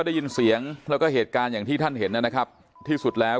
ได้ยินเสียงแล้วก็เหตุการณ์อย่างที่ท่านเห็นนะครับที่สุดแล้ว